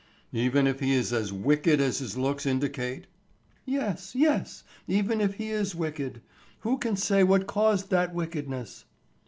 "Even if he is as wicked as his looks indicate?" "Yes, yes, even if he is wicked. Who can say what caused that wickedness."